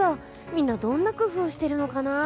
みんなどんな工夫してるのかな？